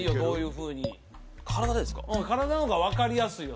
うん体の方が分かりやすいよ